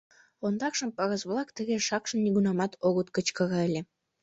Ондакшым пырыс-влак тыге шакшын нигунамат огыт кычкыре ыле.